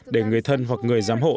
để người thân hoặc người giám hộ